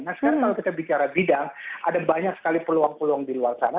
nah sekarang kalau kita bicara bidang ada banyak sekali peluang peluang di luar sana